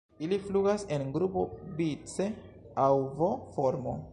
Ili flugas en grupo vice aŭ V-formo.